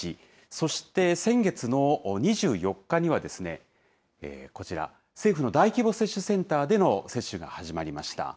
そして先月の２４日には、こちら、政府の大規模接種センターでの接種が始まりました。